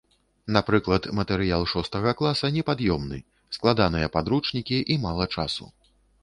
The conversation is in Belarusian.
Напрыклад, матэрыял шостага класа непад'ёмны, складаныя падручнікі і мала часу.